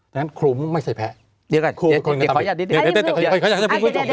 ดังนั้นครูไม่ใช่แพ้เดี๋ยวก่อนคุณคุณการตัดสินทั้งหมด